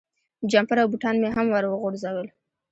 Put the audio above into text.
جمپر او بوټان مې هم ور وغورځول.